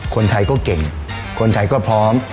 คนไทยก็เก่งคนไทยก็พร้อม